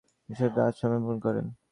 তিনি নিঃশর্তভাবে আত্মসমর্পণ করেন।